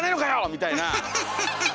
みたいな。